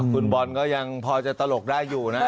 คุณบอลก็ยังพอจะตลกได้อยู่นะ